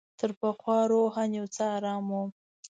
تر پخوا روحاً یو څه آرام وم.